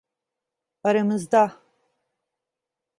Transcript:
Aramızda.